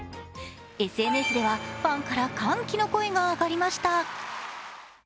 ＳＮＳでは、ファンから歓喜の声が上がりました。